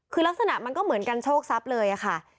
คือลักษณะมันก็เหมือนกันโชคทรัพย์เลยค่ะ